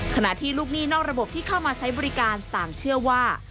ขณะที่ลูกหนี้นอกระบบที่เข้ามาใช้บริการต่างเชื่อว่า